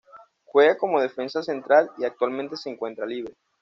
Juega como defensa central y actualmente se encuentra libre.